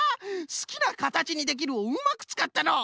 「すきなかたちにできる」をうまくつかったのう！